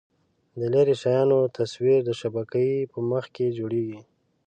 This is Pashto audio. د لیرې شیانو تصویر د شبکیې په مخ کې جوړېږي.